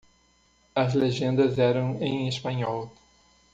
As legendas eram em Espanhol.